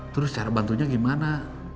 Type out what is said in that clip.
terus cara bantunya gimana